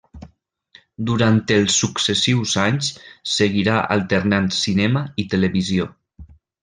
Durant els successius anys seguirà alternant cinema i televisió.